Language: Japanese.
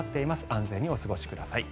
安全にお過ごしください。